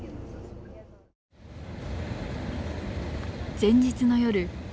前日の夜。